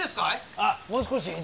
あっもう少し左。